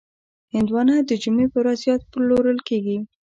هندوانه د جمعې په ورځ زیات پلورل کېږي.